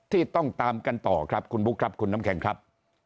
ที่ต้องตามกันต่อครับคุณบุ๊คครับคุณน้ำแข็งครับ